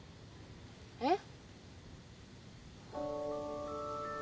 えっ？